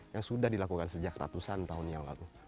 yang sudah dilakukan sejak ratusan tahun yang lalu